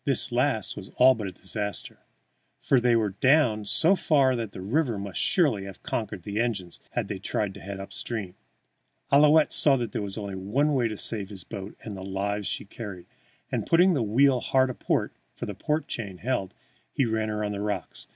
This last was all but a disaster, for they were down so far that the river must surely have conquered the engines had they tried to head up stream. Ouillette saw there was only one way to save his boat and the lives she carried, and, putting the wheel hard aport, for the port chain held, he ran her on the rocks.